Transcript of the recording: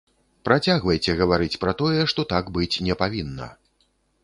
Працягвайце гаварыць пра тое, што так быць не павінна.